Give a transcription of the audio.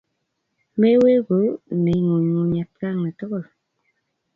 Meweku neing'unyng'unyi atkan tukul.